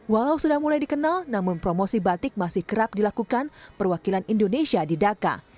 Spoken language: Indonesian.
walau sudah mulai dikenal namun promosi batik masih kerap dilakukan perwakilan indonesia di dhaka